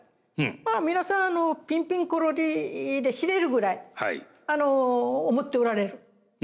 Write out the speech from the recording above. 皆さんピンピンコロリで死ねるぐらい思っておられる。